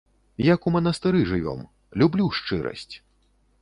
Як у манастыры жывём, люблю шчырасць!